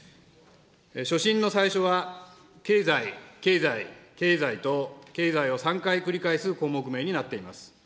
所信の最初は、経済、経済、経済と、経済を３回繰り返す項目名になっています。